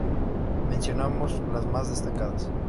Mencionamos las más destacadas.